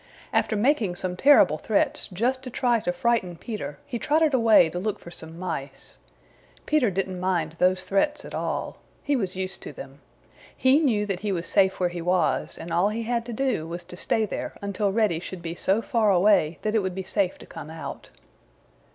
After making some terrible threats just to try to frighten Peter, he trotted away to look for some Mice. Peter didn't mind those threats at all. He was used to them. He knew that he was safe where he was, and all he had to do was to stay there until Reddy should be so far away that it would be safe to come out.